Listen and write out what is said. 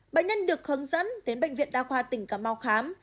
bệnh nhân được hướng dẫn đến bệnh viện đa khoa tỉnh cà mau khám